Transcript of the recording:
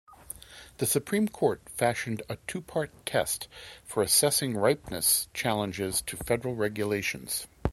The Supreme Court fashioned a two-part test for assessing ripeness challenges to federal regulations.